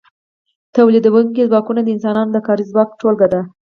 تولیدونکي ځواکونه د انسانانو د کاري ځواک ټولګه ده.